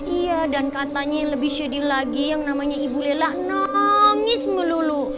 iya dan katanya yang lebih sedih lagi yang namanya ibu lela nangis melulu